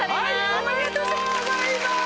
ありがとうございます。